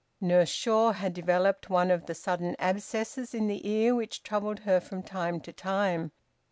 Nurse Shaw had developed one of the sudden abscesses in the ear which troubled her from time to time.